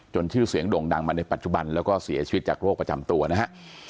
ชื่อเสียงโด่งดังมาในปัจจุบันแล้วก็เสียชีวิตจากโรคประจำตัวนะฮะ